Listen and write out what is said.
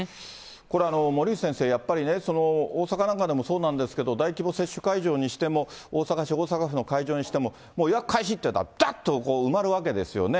これ、森内先生、やっぱりね、大阪なんかでもそうなんですけど、大規模接種会場にしても、大阪府の会場にしても、もう予約開始ってなったらだっと埋まるわけですよね。